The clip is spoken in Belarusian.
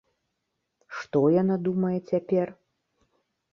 Што яна думае цяпер?